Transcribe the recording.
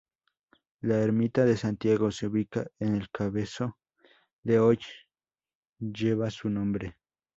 La ermita de Santiago se ubica en el cabezo que hoy lleva su nombre.